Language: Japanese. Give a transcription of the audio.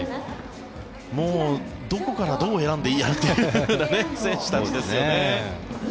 もうどこからどう選んでいいやらというような選手たちですよね。